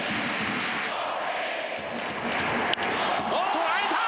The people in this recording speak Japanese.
捉えた！